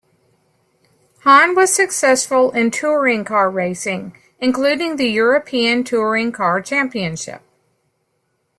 Hahne was successful in touring car racing, including the European Touring Car Championship.